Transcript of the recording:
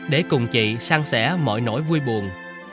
để cùng chị sang sẻ mọi nỗi vui buồn